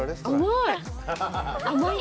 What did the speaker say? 甘い！